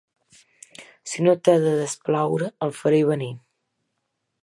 Si no t'ha de desplaure, el faré venir.